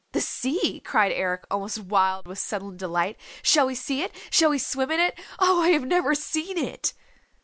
"The sea," cried Eric almost wild with sudden delight. "Shall we see it? Shall we swim in it? Oh, I have never seen it!"